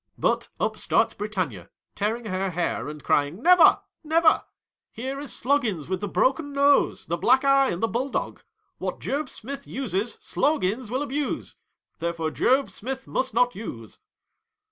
But, up starts Britannia, tearing her hair and crying, " Never, never ! j Here is Sloggins with the broken nose, the : black eye, and the bulldog. What Job Smith uses, Sloggins will abuse. Therefore, Job Smith must not use."